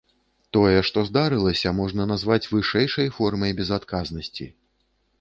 Тое, што здарылася, можна назваць вышэйшай формай безадказнасці.